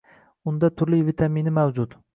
Unda turli vitamini mavjud.